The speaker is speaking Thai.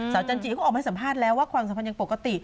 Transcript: จันจิก็ออกมาสัมภาษณ์แล้วว่าความสัมพันธ์ยังปกติ